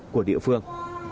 của địa phương